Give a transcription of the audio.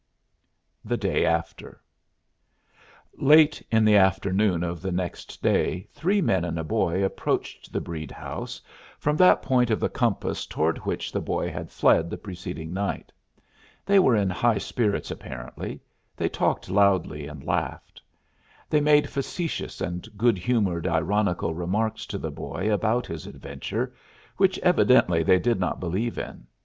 THE DAY AFTER Late in the afternoon of the next day three men and a boy approached the Breede house from that point of the compass toward which the boy had fled the preceding night. The men were in high spirits; they talked very loudly and laughed. They made facetious and good humored ironical remarks to the boy about his adventure, which evidently they did not believe in.